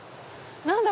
何だ？